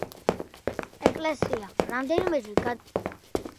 ეკლესია რამდენჯერმეა გადაკეთებული.